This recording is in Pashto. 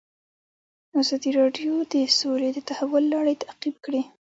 ازادي راډیو د سوله د تحول لړۍ تعقیب کړې.